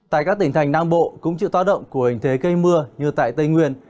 tại các tỉnh thành nam bộ cũng chịu tác động của hình thế gây mưa như tại tây nguyên